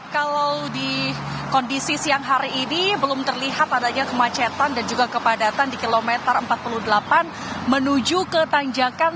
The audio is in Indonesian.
kalau di kondisi siang hari ini belum terlihat adanya kemacetan dan juga kepadatan di kilometer empat puluh delapan menuju ke tanjakan